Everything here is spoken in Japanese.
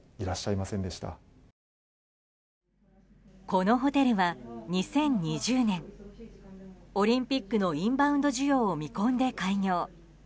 このホテルは２０２０年オリンピックのインバウンド需要を見込んで開業。